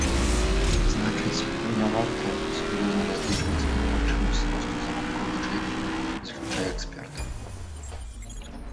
Значыць, не варта сур'ёзна разлічваць і на магчымасць росту заробкаў бюджэтнікаў, заключае эксперт.